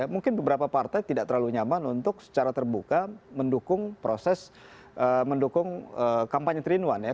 mungkin beberapa partai tidak terlalu nyaman untuk secara terbuka mendukung proses mendukung kampanye tiga in satu ya